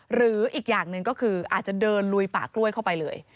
หรืออีกอย่างหนึ่งก็คืออาจจะเดินลุยป่ากล้วยเข้าไปเลย